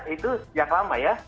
itu sejak lama ya